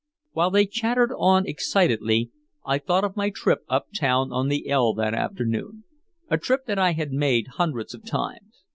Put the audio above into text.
While they chattered on excitedly, I thought of my trip uptown on the "El" that afternoon, a trip that I had made hundreds of times.